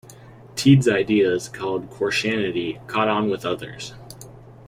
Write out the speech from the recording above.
Teed's ideas, called Koreshanity, caught on with others.